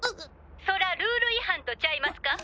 そらルール違反とちゃいますか？